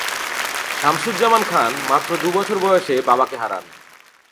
শামসুজ্জামান খান মাত্র দুবছর বয়সে বাবাকে হারান।